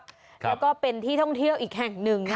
แล้วก็เป็นที่ท่องเที่ยวอีกแห่งหนึ่ง